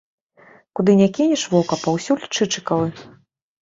Куды не кінеш вока, паўсюль чычыкавы.